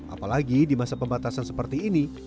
apalagi di masa pembatasan seperti ini